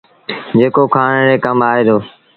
جيڪو کآڻ ري ڪم آئي دو۔